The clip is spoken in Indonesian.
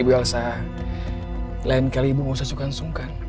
ibu yasa lain kali ibu mau sesukan sungkan